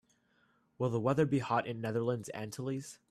Will the weather be hot in Netherlands Antilles?